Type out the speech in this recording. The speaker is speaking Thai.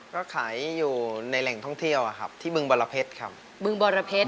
ก็ขายอยู่ในแหล่งท่องเที่ยวอะครับที่เบื้องบรเผ็ดครับเบื้องบรเผ็ดอ๋อ